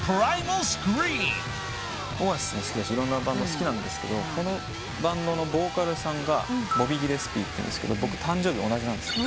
オアシスも好きだしいろんなバンド好きなんですがこのバンドのボーカルさんがボビー・ギレスピーっていうんですけど僕誕生日同じなんですよ。